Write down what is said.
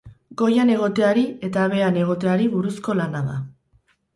Goian egoteari eta behean egoteari buruzko lana da.